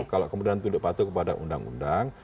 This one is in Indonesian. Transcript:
kalau kemudian tunduk patuh kepada undang undang